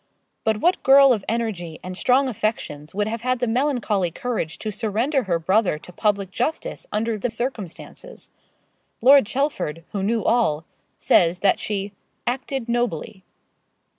But what girl of energy and strong affections would have had the melancholy courage to surrender her brother to public justice under the circumstances? Lord Chelford, who knew all, says that she 'acted nobly.'